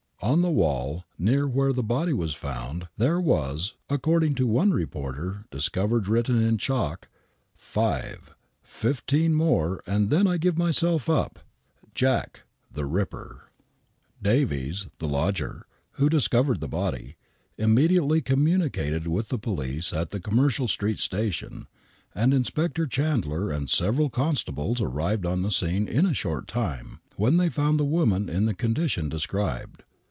On the wall near where the body was found, there was, accord ing to one reporter, discovered written in chalk: FIVE: 15 MORE AND THEN I GIVE MYSELF UP. Jace^ the Ripper. 'y<^.> THE WHITECHAPEL MURDERS 31 # Davies, the lodger, who discovered the body,, immediately com mimicated with the police at the Commercial Street station, and Inspector Chandler and several constables arrived on the scene in a short time, when they found the woman in the condition described.